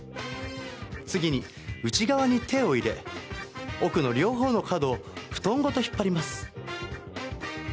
次に内側に手を入れ奥の両方の角を布団ごと引っ張ります。